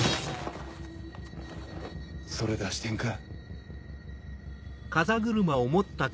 それ出してんか。